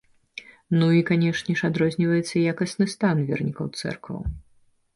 Ну і, канешне ж, адрозніваецца і якасны стан вернікаў цэркваў.